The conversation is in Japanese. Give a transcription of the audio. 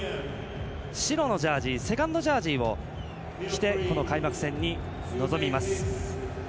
白のセカンドジャージを着てこの開幕戦に臨みます。